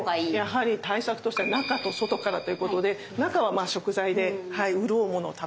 やはり対策としては中と外からということで中は食材でうるおうものを食べると。